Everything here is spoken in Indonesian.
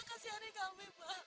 kasiannya kami pak